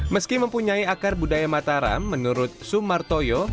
meski mempunyai akar budaya mataram menurut sumartoyo